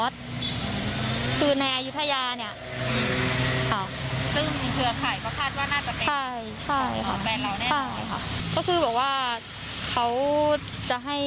เดือการให้พี่ไปกาบเท้าเขา